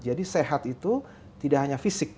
jadi sehat itu tidak hanya fisik